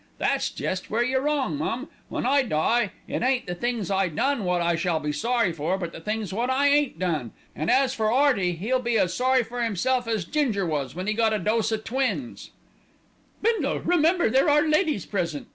That's jest where you're wrong, mum. When I die, it ain't the things I done wot I shall be sorry for; but the things wot I ain't done, and as for 'Earty, 'e'll be as sorry for 'imself as Ginger was when 'e got a little dose o' twins." "Bindle, remember there are ladies present!"